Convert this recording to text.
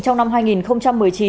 trong năm hai nghìn một mươi chín